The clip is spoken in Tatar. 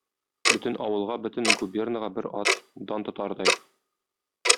Бөтен авылга, бөтен губернага бер ат, дан тотардай.